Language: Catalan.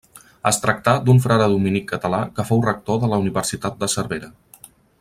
Es tractà d'un frare dominic català que fou rector de la Universitat de Cervera.